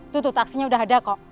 tuh tuh taksinya udah ada kok